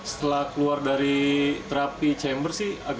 setelah keluar dari terapi cmr